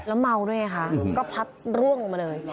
แล้วเม้าด้วยค่ะก็พลัดร่วงลงมาเลย